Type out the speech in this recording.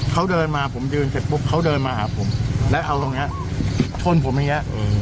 เขาเดินมาผมยืนเสร็จปุ๊บเขาเดินมาหาผมแล้วเอาตรงเนี้ยชนผมอย่างเงี้ย